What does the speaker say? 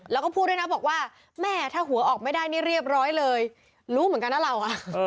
แล้วก็พูดด้วยนะบอกว่าแม่ถ้าหัวออกไม่ได้นี่เรียบร้อยเลยรู้เหมือนกันนะเรา